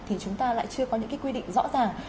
thì chúng ta lại chưa có những cái quy định rõ ràng